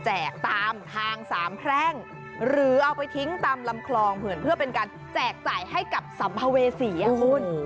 ตามทางสามแพร่งหรือเอาไปทิ้งตามลำคลองเผื่อเพื่อเป็นการแจกจ่ายให้กับสัมภเวษีอ่ะคุณ